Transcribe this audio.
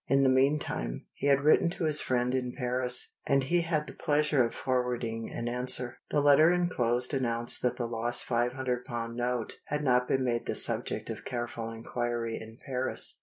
In the meantime, he had written to his friend in Paris, and he had the pleasure of forwarding an answer. The letter inclosed announced that the lost five hundred pound note had been made the subject of careful inquiry in Paris.